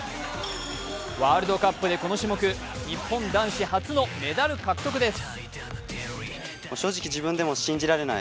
ワールドカップでこの種目、日本男子初のメダル獲得です。